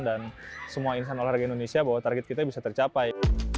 dan semua orang olahraga indonesia bahwa target kita bisa tercapai